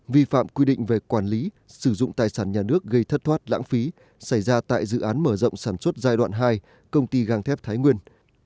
vi phạm quy định về quản lý sử dụng tài sản nhà nước gây thất thoát lãng phí xảy ra tại dự án mở rộng sản xuất giai đoạn hai công ty găng thép thái nguyên